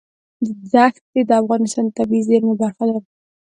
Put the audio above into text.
دښتې د افغانستان د طبیعي زیرمو برخه ده.